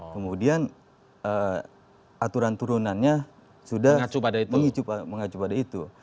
kemudian aturan turunannya sudah mengacu pada itu